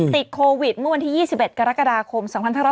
ติดโควิดเมื่อวันที่๒๑กรกฎาคม๒๕๖๒